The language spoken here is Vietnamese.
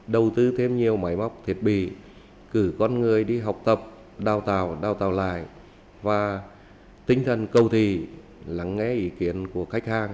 đầu tư thêm nhiều máy móc thiết bị cử con người đi học tập đào tạo đào tạo lại và tinh thần cầu thị lắng nghe ý kiến của khách hàng